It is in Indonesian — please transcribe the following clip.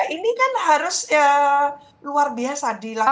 ini kan harus luar biasa gitu ya